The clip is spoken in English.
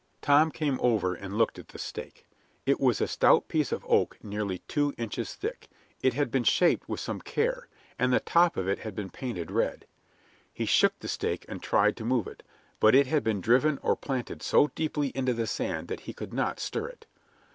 Tom came over and looked at the stake. It was a stout piece of oak nearly two inches thick; it had been shaped with some care, and the top of it had been painted red. He shook the stake and tried to move it, but it had been driven or planted so deeply into the sand that he could not stir it.